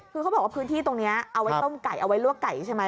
คือเขาบอกว่าพื้นที่ตรงนี้เอาไว้ต้มไก่เอาไว้ลวกไก่ใช่ไหม